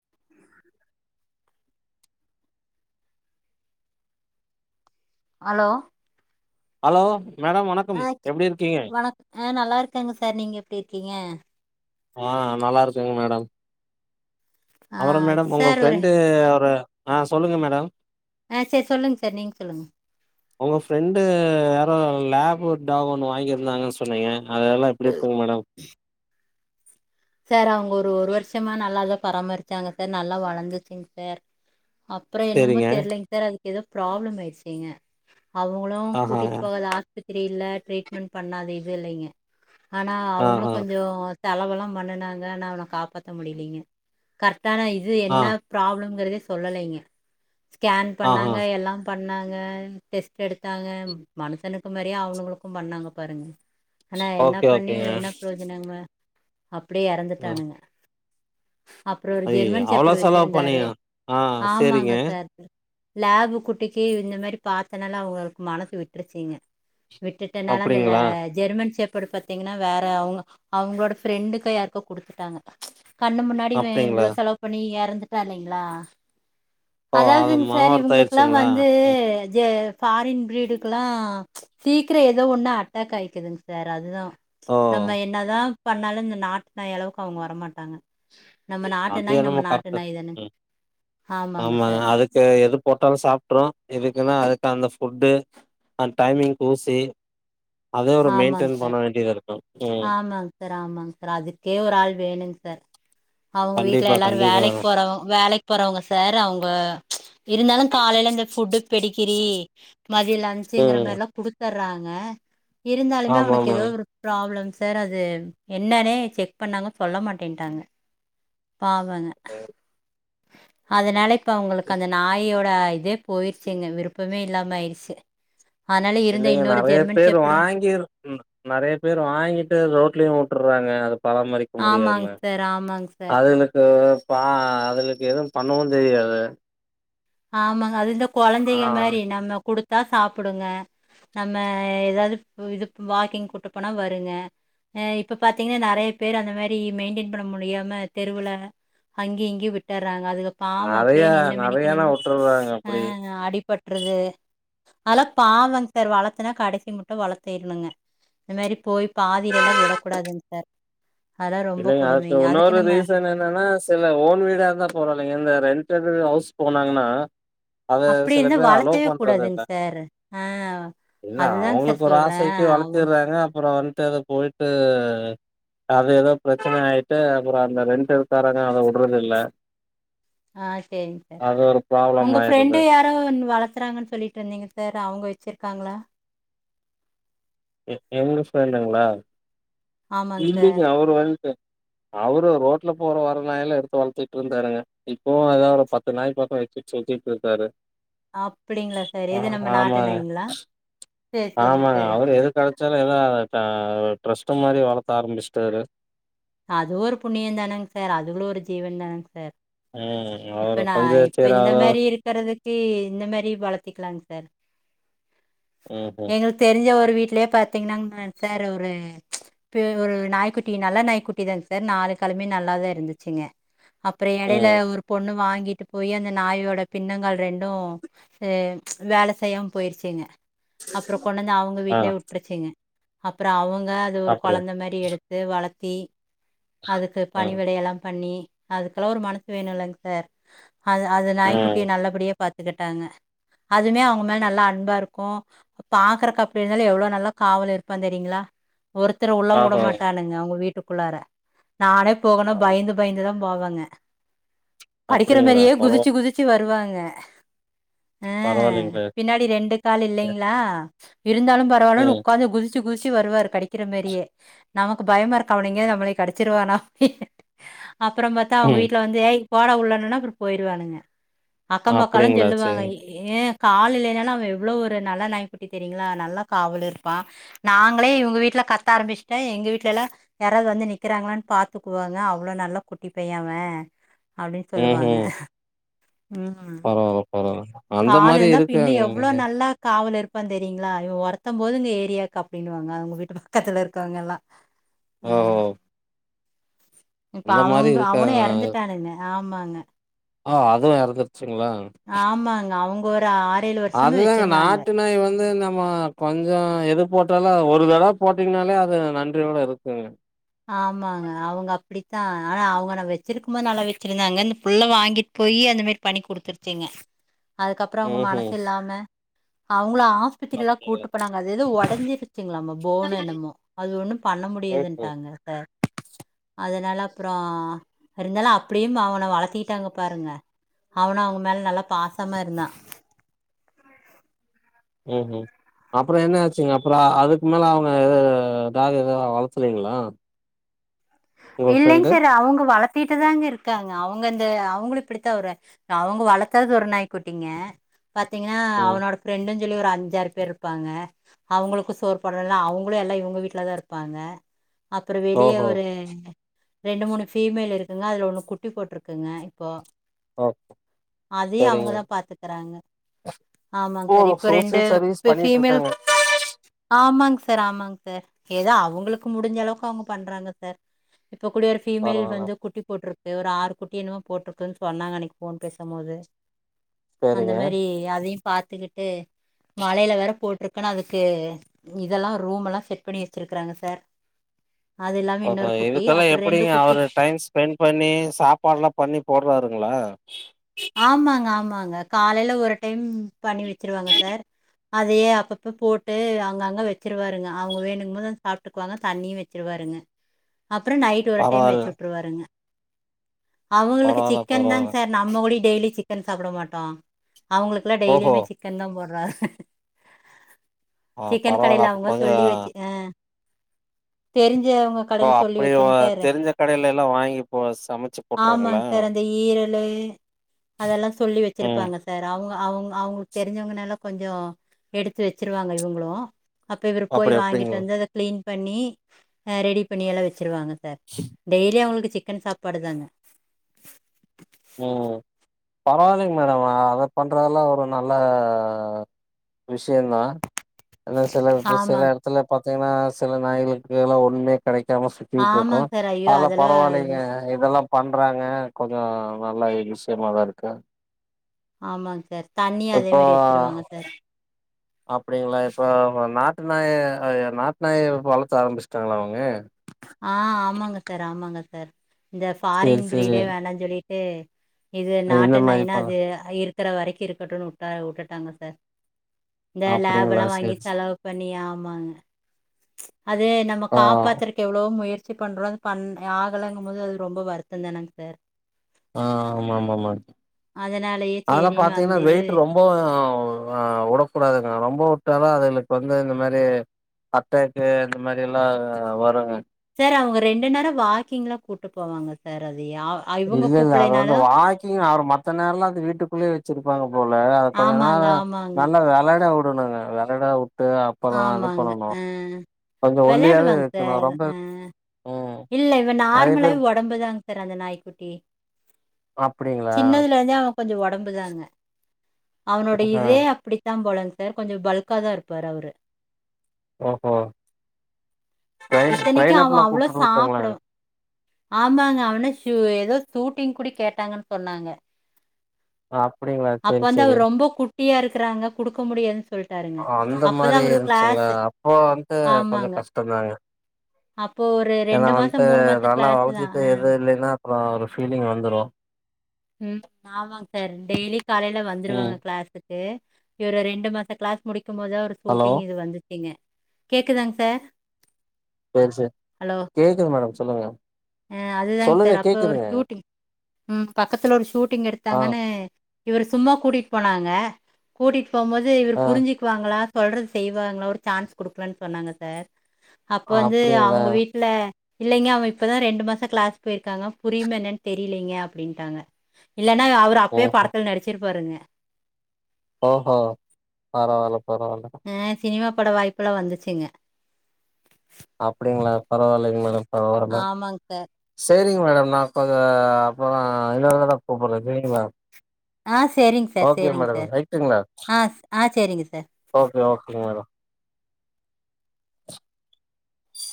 [inaudible] Allow hello ஆஹ் கி வணக் ஆஹ் நல்லா இருக்கேங்க சார் நீங்க எப்டி இருக்கீங்க ஆஹ் நல்லா இருக்குங்க மேடம் ஆ அபறம் மேடம் உங்க சார் ஒரு ஃப்ரெண்ட் ஒரு ஆஹ் சொல்லுங்க மேடம் ஆஹ் சேர் சொல்லுங்க சார் நீங்க சொல்லுங்க உங்க ஃப்ரெண்டு யாரோ லேபு டாகு ஒன்னு வாங்கி இருந்தாங்கன்னு சொன்னீங்க அதெல்லாம் எப்டி இருக்குங் மேடம் சார் அவுங்க ஒரு வருஷமா நல்லாதான் பராமருச்சாங்க சார் நல்லா வளந்துச்சுங் சார் அப்புறம் என்னமோ சரிங்க. தெரிலங் சார் அது எதோ ப்ராப்ளம் ஆயிடுச்சிங்க அவங்களும் ஆஹா கூட்டிட்டு போகாத ஆஸ்பத்தி ரில ட்ரீட்மென்ட் பண்ணாத இதுயில்லைங்க ஆனா அவங்களும் ஆஹா கொஞ்சோ செலவெல்லா பண்ணுன னாங்க காப்பாத்த முடியிலிங்க கர்ட் தான இது ஆ என்ன ப்ராப்ளங்கறதே சொல்லலைங்க ஸ்கேன் ஆஹா பண்ணாங்க எல்லா பண்ணா [unintelligible] டெஸ்ட் எடுத்தாங்க மனசனுக்கு மரியா அவங்களுக்கும் பண்ணாங்க பாருங்க ஆனா என்ன ஓகே பண்ணி ஓகேங்க. என்ன பிரயோஜனங்க அப் அப்டியே அ எறந்துட்டானுங்க அப்றோ ஒரு ஐயய்யோ ஜெர்மன் அவ்ளோ செப்டு செலவு வச்சிருந்தாரு பண்ணீங்க ஆ ஆமாங்க சரிங்க. சார் லேபு குட்டிக்கு இந்த மாரி பார்த்தனால அவங்களுக்கு மனசு விட்டுருச்சீங்க விட்டுட்டனால அந் ல அப்டிங்களா ஜெர்மன் செஃப் இப்புடி பாத்தீங்கனா வேற அவங்க அவங்களோட ஃப்ரெண்டுக்கு கோ யாருக்கோ குடுத்துட்டாங்க கண்ணு முன்னாடி இவ அப்டிங்களா இவ்ளோ செலவு பண்ணி எறந் கஷ்ட இல்லைங்களா ஓ அது அதாவதுங்க மன சார் வருத்தம் இவங்களுக்கெல்லா ஆயிருச்சுங்களா? வந்து ம் ஃபாரின் ப்ரீடுக்கெல்லா சீக்கிர எதோ ஒன்னு அட்டாக் ஆயிக்குதுங்க சார் அதுதா ஓ நம்ம என்னதா பண்ணாலு இந்த நாட் நாய் அளவுக்கு அவுங்க வரமாட்டாங்க நம்ம நாட்டு அது நாய் நம்ம என்னமோ நாட்டு நாய் தானே கரெக்ட்டு ஆமாங்க ஆமா சார் அதுக்கு எது போட்டாலு சாப்ட்ரு இதுக்குன்னா அதுக்கு அந்த ஃபு ஃபுட்டு அந்த டைமிங்க்கு ஊசி அதே ஒரு ஆமாங் மெயின்டெயின் பண்ண சார் வேண்டியது இருக்கும். ம். ஆமாங் சார் ஆமாங் சார் அதுக்கே ஒரு ஆள் வேணுங் சார் அவங்க வீட்டுல கண்டிப்பா, எல்லாரு வேலைக் கண்டிப்பாங்க. போறவங்க வேலைக் போறவங்க சார் அவங்க இருந்தாலு காலையில இந்த ஃபுட்டு பெடிகிரி மதியம் லஞ்ச்ங்கிற ம். மேரிலா குடுத்தர்றாங்க ங்க இருந்தாலுமே அவனுக்கு எதோ ஆமாமாங்க. ஒரு ப்ராப்ளம்ஸ் சார் அது என்னன்னே செக் பண்ணாமா சொல்ல மாட்டேட்டாங்க பாவங்க அதனால அவங்களுக்கு அந்த நாயோட அட இதே போயிருச்சுங்க விருப்பமே இல்லாம ஆயிடுச்சு இல்லங்க நெறைய பேரு வாங்கிரு நெறைய பேர் வாங்கிட்டு ரோட்லயு வுட்டுர்றாங்க அது பராமரிக்க ஆமாங்க முடியாம சார் ஆமாங்க சார் அதுகளுக்கு ப்ப அதுலக்கு எதுவு பண்ணவு தெரியாது ஆமா அதுந்து ஆ. கெழந்தைங்க மாரி நம்ம குடுத்தா சாப்ப டுங்க நம்ம ஏதாவது இது வாக்கிங் கூட்ட போனா வருங்க இப்ப பாத்தீங்கன்னா நெறைய பேர் அந்த மாரி மெயின்டென் பண்ண முடியாம தெருவுல அங்கி இங்கி விட்டுறாங்க அதுக்குப்பாவம் அப்டியே என்ன மேனிக்கு நின் றாங்க அப்டி து அதெல்லா பாவம் சார் வளத்துனா கடைசி மட்டு‌ வளர்த்திறனுங்க இந்த மாரி போய் பாதிலல்லா விடக்கூடாதுங்க சார் அதெல்லாம் ரொம்ப இல்லிங்க அதுக்கு கொடுமைங்க. இன்னொரு நம்ம ரீசன் என்னன்னா சில ஓன் வீடா தா போறோ இல்லங்க இந்த ரெண்டைட் ஹவுஸ் போனங்கண்ணா அதது அப்படி சில இருந்தா பேர் அலோ வளர்த்தவே பண்றது கூடாதுங்க இல்ல சார். ஆ இல்ல அதுதாங்க சார் அவங்களுக்கு ஒரு சொல்றேன். ஆசைக்கு அவங்க வளர்த்திறாங்க அப்புறம் வந்துட்டு அத போயிட்டு அது ஏதோ பிரச்சன ஆயிட்டு அப்புறம் அந்த ரெண்டட் இருக்காரங்க அத வுட்றது இல்ல ஆஹ் செரிங்க சார் அது ஒரு ப்ராப்ளம் உங்க ஆயிருது. ஃப்ரெண்டு யாரும் வளத்துறாங்கன்னு சொல்லிட்டு இருந்தீங்க சார் அவங்க வெச்சிருக்காங்களா எங்க பிரின்ட்ங்குல ஆமாங்க சார். இன்னிக்கு அவரு வந்து அவரு ரோட்ல போற வரற நாய எல்லா எடுத்து வளர்த்திட்டு இருந்தாருங்க இப்போவு ஏதோ ஒரு பத்து நாய் பக்கம் வெச்சுட்டு சுத்திட்டு இருந்தாரு அப்படிங்களா சார்? எது நம்ம நாட்டு ஆமாங்க நாய்ங்களா? சரி, சரிங்க ஆமாங்க சார். அவரு எது கெடைச்சாலு டிரஸ் மாரி வளத் ஆரம்பிச்சுட்டாரு அது ஒரு புண்ணியம் தானேங்க சார் அதுகளு ஒரு ஜீவன் தானேங்க சார் ம் அவரு இப்ப நா கொஞ்சம் இப்ப சரி இந்த அவரு மாரி இருக்கிறதுக்கு இந்த மாரி வளர்த்திக்கலாங்க சார் ம்ஹ்ம் எங்களுக்கு தெரிஞ்ச ஒரு ஒரு வீட்லயே பாத்தீங்கன்னா சார் ஒரு ஒரு நாய்க்குட்டி நல்ல நாய்க்குட்டி தாங்க சார் நாலு காலுமே நல்லாதா இருந்துச்சுங்க அப்புறம் எடையில ம் ஒரு பொண்ணு வாங்கி கிட்டு போய் அந்த நாயோட பின்னங்கால் ரெண்டூ அ வேல செய்யாம் போயிருச்சுங்க அப்புறோ கொண்ணந்து அவங்க ஆ வீட்லே விட்ருச்சிங்க அப்புறோ அவங் தா அது ஒரு அப்படியா? கொழந்த மாரி எடுத்து வளத் தி அதுக்கு பணி ம் விடை எல்லா பண்ணி அதுக்குல்லா ஒரு மனசு வேணுல்லங் சார் அது அது ம் நாய்க்குட்டிய நல்லபடியா பாத்துக்குட்டாங்க அதுமே அவங்க மேல நல்லா அன்பா இருக்கூ பாக்குறக்கு அப்டி இருந்தாலு எவ்ளோ நல்லா காவல் இருப்பா தெரியுங்களா ஒருத்தர் உள்ள உட ஆஹோ மாட்டானுங்க அவங்க வீட் ட்டுக்குள்ளாற நானே போகணு பயந்து பயந்துதாம் பாவங்க படிக்கிற அப்டிங்களா மாரியே பரவா குதிச்சு குதிச்சு வருவா இல்ல அ பரவாயில்லைங்களே பின்னாடி ரெண்டு கால் இல்லைங்ளா இருந்தாலும் பரவால்லன் ம் உக்காந்து குதிச்சு குதிச் ச்சி வருவாரு கடிக்கிற மாரியே நமக்கு பயமா இருக் கவனிங்க நம்பலை கடிச்சிருவானா அப்புறம் பாத்தா அவங்க ம் வீட்ல வந்து ஏய் போடா உள்ளன்னுனா அப்புறோ போயிடுவானுங்க அக்கோ பக்கோல்லா அப்டிங்களா செல்லுவாங்க சேரி ஏன் கால் இல்லைனாலும் அவன் எவ்வளோ ஒரு நல்லா நாய்க்குட்டி தெரியங்களா நல்லா காவல் இருப்பான் நாங்களே இவங்க வீட்ல கத்த ஆரம்பிச்சுட்டே எங்க வீட்ல எல்லா யாராவது வந்து நிக்கிறாங்களான்னு பாத்துக்குவாங்க அவ்ளோ நல்ல குட்டி பைய அவன் அப்டின் சொல்லுவாங்க ம்ஹும் ம் பரவால்ல பரவால்ல அந்த கால் மாரி இருந்தா பின்ன இருக்காங்க எவ்வளோ நல்லா காவல் இருப் ப்பந் தெரியுங்களா இவன் ஒரத்த போது இங்க ஏரியாக்கு அப்டின்னுவாங்க அவங்க வீட்டு பக்கத்துல இருக்கவங்கல்லா ஓ இப்ப அவங்க அவனு எறந்துட்டானுங்க ஆமாங்க ஆ அதுவு இருந்தது ஆமாங்க அவுங் ஒரு ஆற் அதுதாங்க நாட்டு நாய் வந்து நம்ம கொஞ்சோ எது போட்டாலு ஒர் ஒரு தடவ போட்டீங்னாலே அது நன்றியோட இருக்குங்க ஆமாங்க அவ்ங்க அப்டித்தா ஆனா அவ்ங்க நா வச்சிருக்கு போது நல்லா வச்சிருந்தாங்க இந்த புல்ல வாங்கிட்டு போயி அந்த மாரி பண்ணி குடுத்துருச்சிங்க அதுக்கப்புறோ அவ்ங்க ம்ஹும் மனசில்லாம அவ் அவ்ங்கள ஆஸ்பத்திரில கூட்டு போனாங்க அது எது உடஞ்சிருச்சிங்ளாமா போன் என்னமோ அது ஒன்னு பண்ண ம்ஹும் முடியாதுன்ட்டாங்க அதனால அப்புறோ இருந்தாலு அப்டியும் அவனை வளத்தீட்டாங்க பாருங்க அவனு அவ்ங்க மேல நல்லா பாசமா இருந்தா ம் ம் அப்புறோ என்னாச்சுங்க அப்புறோ அதுக்கு மேல அவங்க எத டாக் எத வளரச்சலீங்களா இல்லிங்க சார் அவங்க வளத் தீட்டுதாங்க இருக்காங்க அவ்ங்க அந்த அவங்களு இப்படித்தா ஒரு அவ்ங்க வளர்த்தது ஒரு நாய் கூட்டிங்க பாத்தீங்ன்னா ம் அவ்னோட ஃப்ரெண்டு சொல்லி ஒரு அஞ்சாறு பேர் இருப்பாங்க அவங்களுக்கு சோற்போடுறல்லா அவ்ங்களு எல்லாம் இவ்ங்க வீட்டுலதா இருப்பாங்க அப்புறோ வெளிய ஓஹோ ஒரு ரெண்டு மூணு ஃபீமேல் இருக்குங்க அதுல ஒண்ணு குட்டி போட்டிருக்குங்க இப்போ ஓ அதையு சரிங்க அவ்ங்கதா பாத்துக்கறாங்க ஆமாங்க ஓ சார் இப்ப ரெண்டு சோசியல் சர்வீஸ் பண்ணிட்டு ஃபிமேல் இருக்காங்க ஆமாங் சார் ஆமாங் சார் ஏதோ அவ்ங்களுக்கு முடிஞ்ச அளவுக்கு அவ்ங்க பண்றாங்க சார் இப்ப கூடி ஒரு ஃபீமேல் பரவால்ல வந்து கூட்டி போட்டுருக் ஒரு ஆறு குட்டி என்னமே போட்டிருக்குன்னு சொன்னாங்க அன்னிக்கு போன் பேசும் போது அந்த சேரிங்க மாரி அதயு பாத்துக்கிட்டு மலையில வேற போட் இருக்குன்னா அதுக்கு இதெல்லாம் ரூமெல்லாம் செட் பண்ணி வச்சருக்குறாங்க சார் அதுெல்லாம அப்ப இன்னெரு இதுக்கெல்லா எப்டிங்க அவரு டைம் ஸ்பெண்ட் பண்ணி சாப்பாடுல்லா பண்ணி போட்றாருங்களா ஆமாங்க ஆமாங் ங்க காலையில ஒரு டைம் பண்ணி வச்சிருவாங்க சார் அதயே அப்பப்ப போட்டு அங்கங்க வச்சிருவாருங்க அவங்க வேணுங்க போது சாப்பிட்டுக்குவாங்க தண்ணியு வச்சிருவாருங்க அப்புறோ நைட் ஒரு டைம் பரவால்ல வச்சு விடருவாருங்க அவ்ங்களுக்கு பரவால்ல சிக்கன் தாங் பரவால்ல சார் நம்ம கூடி டெய்லி சிக்கன் சாப்ட மாட்டோ அவங்களுக்குலா ஓஹோ டெய்லியுமே சிக்கன் தா போட்றாரு ஆ சிக்கன் பரவால்ல கடைல அப்ப அவுங்க கொஞ்சோ சொல்லி வச்சி ஆ தெரி ஓ அப்டி ஓ தெரிஞ்ச கடைலேல்லா வாங்கி போ சமச்சி போட்ருவாங்ளா லு அதெல்லா சொல்லி ம் வச்சிருப்பாங்க சார் அவுங் க அவுங் அவுங்களுக் தெரிஞ்சவங்கனால கொஞ்சோ எடுத்து வெச்சிருவாங்க இவுங்களு அப்ப இவரு போய் அப்டி வாங்கிட்டு அப்டிங்களா வந்து அத க்ளீன் பண்ணி அ ரெடி பண்ணியெல்லா வெச் ச்சிருவாங்க சார் டெய்லி அவுங்களுக்கு சிக்கன் சாப்பாடு தாங் ம் பரவா இல்லைங்க மேடம் அத பண்றதெல்லா ஒரு நல்ல விஷயந்தா என்ன சில இப்ப சில ஆமாங் எடத்ல பாத் தீங்னா சில நாய்களுக் இல்லா ஒண்ணுமே கெடைக்காம சுத்தியிட்ருக்கு ஆமாங்க சார் ஐயோ அதெல்லா பரவால்லைங்க இது இதெல்லா பண்றாங்க கொஞ்சோ நல்ல ஐ விஷயமாதா இருக்கு ஆமாங்க தண்ணி அதே இப்போ மாரி வச்சிருவாங்க சார் அப்டிங்களா சோ நாட் டு நாய ஆ நாட்டு நாய வளத்த ஆரம்பிச்சிட்டாங்ளா அவங்க ஆ ஆமாங்க சார் [unintelligible] இந்த சேரி ஃபாரின் சேரி ப்ரீடே வேணான் சொல்லிட் டு இது நாட்டு இந்த மாரி நாய்னா ப அது அ இரு க்குற வரைக்கு இருக்கட்டுன்னு உட்டா உட்டுட்டாங்க சார் இந்த அப்டிங்களா லேபெல்லா வாங்கி சேரி சே செலவு பண்ணி ஆமாங்க அது நம்ம ஆ காப்பாத்துறக் எவ்ளவோ முயற்சி பண்றோ அது பண் ஆகலங்கம் போது அது ரொம்ப வருத்தொ தானாங்க சார் ஆ ஆமா ஆமா ஆமா அதனாலயே அதெல்லா சரின்னு அந்த பாத்தீங்கன்னா இது வெயிட் ரொம்போ ஆ உடக்கூடாதுங்குறாங் ரொம்போ உட்டாலு அதுங்ளுக்கு வந்து இந்த மாரி அட்டேக்கு இந்த மாரி எல்லா வருங்க சார் அவுங்க ரெண்டு நேரோ வாக்கிங்லா கூட்டு போவாங்க சார் அத இல்லங்க அவங்க வாக்கிங் அவரு மத்த நேரோல்லா அந்த வீட்டுக்குள்ளயே வச்சிருப்பாங்க போல அத கொஞ்ச ஆமாங்க, நேரோ ஆமாங்க, நல்லா வெளாட உட் றுனுங்க வெளாட அப்பதா இது ஆமாங்க பண்ணணு ஆ கொஞ்சோ ஒல்லியாவே வெளையாடுவாங் இருக்கணு சார் ரொம்ப ஆ ம் இல்ல இவ நெறைய நார்மலாவே ஒடம்புதா சார் அந்த நாய்க்குட்டி அப்டிங்ளா கொஞ்சொ ஒடம்பு தாங்க அவனோட ஆ இதே அப்டித்தா போலங் சார் கொஞ்ச பல்காதா இருப்பாரு அவுரு ஓஹோ ட்ரெயின் இத்தனைக்கும் ட்ரெயின் அவ அப்லா அவ்ளோ கூப்ட்டுட்டு இருக்காங்களா சாப்ட ஆமாங்க அவனே எதோ ஷூட்டிங் கூடி கேட்டாங்கன்னு சொன்னாங்க அப்பிடிங்களா அப்ப செரி வந்து செரி அவர் ரொம்ப குட்டியா இருக்குறாங்க குடுக்க முடியாது ஓ அந்த மாரி இருந்துச்சுன்ளா அப்போ வந்து கொஞ்ச ஆமாங்க. கஷ்டந்தாங்க அப்போ ஒரு ஏன்னா வந்து மாசம் மாசம் நல்லா கிளாஸ் தான். வளர்த்திட்டு அ. எதுவு இல்லேன்னா அப்பற ஒரு ஃபீலிங் வந்துரு ம் ஆமாங்க சார் டெய்லி காலைல ம் வந்துருவாங்க கிளாஸுக் கு இவுரு ரெண்டு மாச கிளாஸ் முடிக் முடிக்கும் போது ஒரு ஹலோ ஷூட்டிங் இது வந்துச் கீங்க கேக்குதா சார் சேரி சேரி கேக்குது மேடம் சொல்லுங்க ம் அதுதாங்க சொல்லுங்க சார் அப்போ ஒரு கேக்குதுங்க ஷூட்டிங் ம் பக்கத்துல ஒரு ஷூட்டிங் ஆ எடுத்தாங்கன்னு இவர சும்மா கூட்டிட்டு போனாங்க கூட்டிட் இப்பமாதுபோது இவுரு ஆ புரிஞ்சிக்குவாங்களா சொல்றது செய்வாங்களா ஒரு சான்ஸ் குடுக்கலான்னு சொன்னாங்க சார் அப்ப வந்து அப்டிங்களா அவுங்க வீட்ல இல்லைங்க அவ இப்பதா ரெண்டு மாச கிளாஸ் போயிருக்காங்க புரியுமா என்னன்னு தெரியலீங்க அப்பிடின்டாங்க இல்லேனா அவுரு அப்பயே படத்துல நடிச்சிருப்பாருங்க ஓ ஹோ பரவால்ல பரவால்ல ம் சினிமா புது பட வாய்ப்பெல்லா வந்துச்சுங்க அப்பிடிங்களா பரவால்லைங்க மேடம் [unintelligible] ஆமாங்க சார் செரிங் மேடம் நான் கொஞ்ச அப்பற இன்னோர் தடவ கூப்பற்றே செரிங்களா ஆ செரிங்க சார் செரிங்க சார் ரைட்டுங்களா ஆ ஆ செரிங்க சார் ஓகே ஓகேங் மேடம் மேடம்